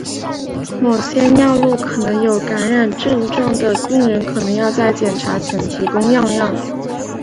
某些尿路可能有感染症状的病人可能要在检查前提供尿样。